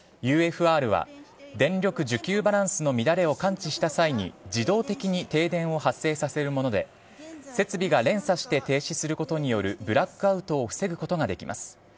ＵＦＲは電力需給バランスの乱れを感知した際に自動的に停電を発生させるもので設備が連鎖して停止することによるブラックアウトを防ぐことができます。